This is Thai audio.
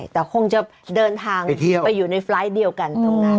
แต่คงจะเดินทางไปอยู่ในไฟล์ตเดียวกัน